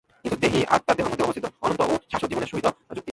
কিন্তু দেহী আত্মা দেহমধ্যে অবস্থিত, অনন্ত ও শাশ্বত জীবনের সহিত যুক্ত।